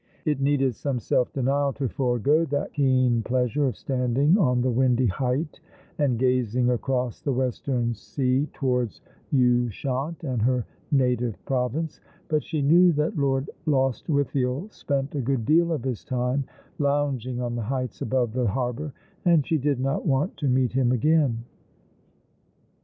It needed some self denial to forego that keen pleasure of standing on the windy height and gazing across the western sea towards Ushant and her native province ; but she knew that Lord Lostwithiel spent a good deal of his time lounging on the heights above the harbour, and she did not want to meet him again.